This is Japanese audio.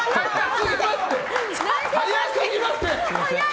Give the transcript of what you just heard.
早すぎますって！